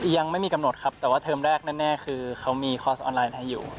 ยังไม่มีกำหนดครับแต่ว่าเทอมแรกแน่คือเขามีคอร์สออนไลน์อะไรอยู่